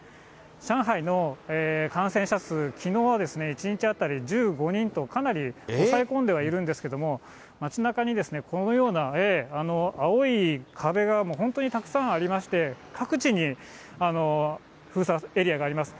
上海の感染者数、きのうは１日当たり１５人と、かなり抑え込んではいるんですけれども、街なかにこのような青い壁がもう、本当にたくさんありまして、各地に封鎖エリアがあります。